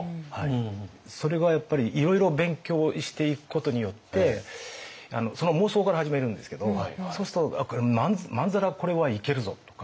それはやっぱりいろいろ勉強していくことによってその妄想から始めるんですけどそうするとまんざらこれはいけるぞ！とか。